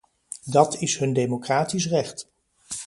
Dat is hun democratisch recht.